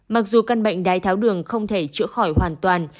mặc dù căn bệnh đáy thao đường không thể chữa khỏi hoàn toàn